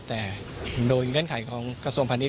แต่โดยเงื่อนไขของกระทรวมพันธุ์นี้